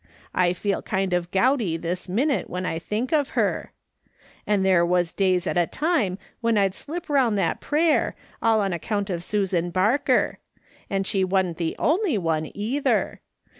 I feel kind of grouty this minute when I think of her ;' and there was days at a time when I'd slip around that prayer, all on account of Susan Barker. And she wa'n't the only one, either.